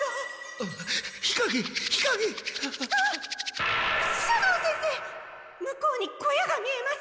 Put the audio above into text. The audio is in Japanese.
あっ斜堂先生向こうに小屋が見えます。